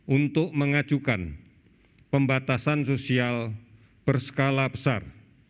untuk mengajukan pembatasan sosial berskala besar